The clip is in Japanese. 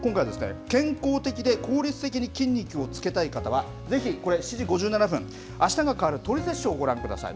健康的で効率的に筋肉をつけたい方はぜひ、これ７時５７分あしたが変わるトリセツショーご覧ください。